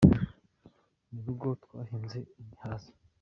murugo twahinze ibihaza